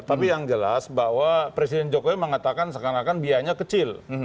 tapi yang jelas bahwa presiden jokowi mengatakan seakan akan biayanya kecil